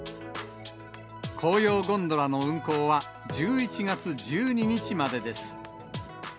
紅葉ゴンドラの運行は１１月１２日までです。